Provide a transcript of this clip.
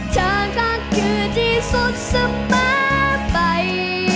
เธอก็คือที่สุดสบาย